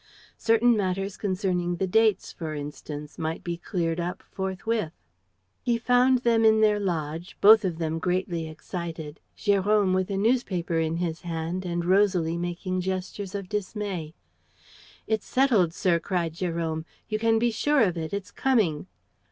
Certain matters concerning the dates, for instance, might be cleared up forthwith. He found them in their lodge, both of them greatly excited, Jérôme with a newspaper in his hand and Rosalie making gestures of dismay. "It's settled, sir," cried Jérôme. "You can be sure of it: it's coming!"